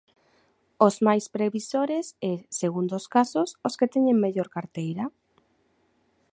Os máis previsores e, segundo os casos, os que teñen mellor carteira.